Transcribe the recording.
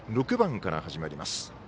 ６番から始まります。